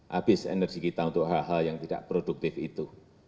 habis energi kita untuk hal hal yang tidak produktif itu